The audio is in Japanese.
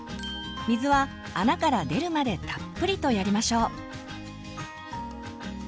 水は穴から出るまでたっぷりとやりましょう。